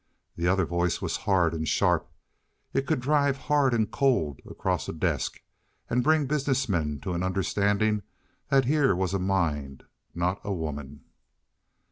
The other voice was hard and sharp. It could drive hard and cold across a desk, and bring businessmen to an understanding that here was a mind, not a woman.